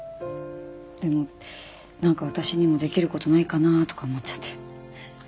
でもなんか私にもできる事ないかなとか思っちゃって。